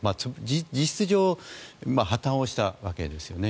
実質上破たんをしたわけですね。